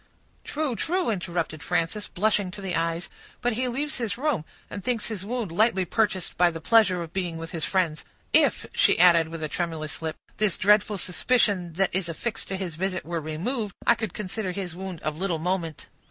"True, true," interrupted Frances, blushing to the eyes; "but he leaves his room, and thinks his wound lightly purchased by the pleasure of being with his friends. If," she added, with a tremulous lip, "this dreadful suspicion that is affixed to his visit were removed, I could consider his wound of little moment."